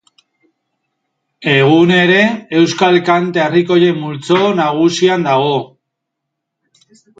Egun ere, euskal kanta herrikoien multzo nagusian dago.